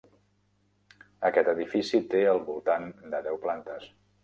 Aquest edifici té al voltant de deu plantes.